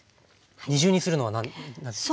二重にするのは何でですか？